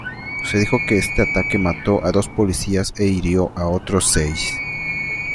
Se dijo que este ataque mató a dos policías e hirió a otros seis.